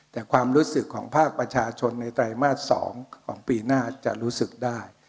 แต่ความรู้สึกของภาคประชาชนในไตรมาส๒ของปีหน้าจะรู้สึกได้